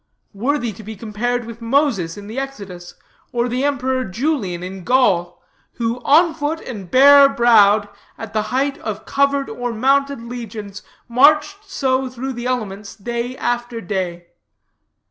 Worthy to be compared with Moses in the Exodus, or the Emperor Julian in Gaul, who on foot, and bare browed, at the head of covered or mounted legions, marched so through the elements, day after day.